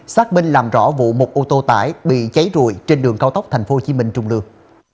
xác minh làm rõ vụ một ô tô tải bị cháy rụi trên đường cao tốc tp hcm trung lương